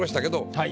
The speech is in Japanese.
はい。